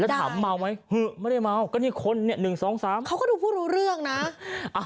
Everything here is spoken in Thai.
ถามเมาไหมหึไม่ได้เมาก็นี่คนเนี่ยหนึ่งสองสามเขาก็ดูผู้รู้เรื่องนะอ่ะ